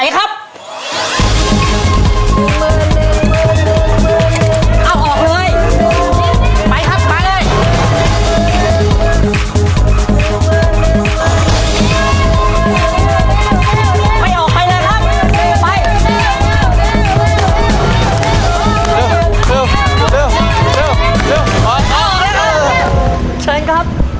ไขครับ